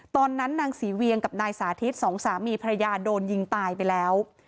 ตอนนั้นนางศรีเวียงกับนายสาธิตสองสามีภรรยาโดนยิงตายไปแล้ว